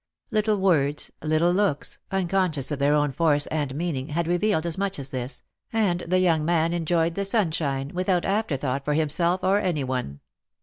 Little words, little looks, unconscious of their own force and meaning, had revealed as much as this, and the young man enjoyed the sunshine, without after thought for himself or any one.